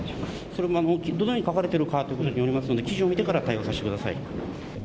それもどのように書かれているかということによりますので、記事を見てから対応させてください。